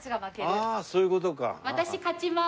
ああそういう事か。